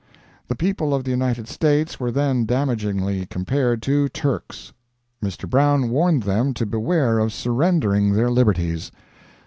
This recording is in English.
The people of the United States were then damagingly compared to Turks. Mr. Brown warned them to beware of surrendering their liberties.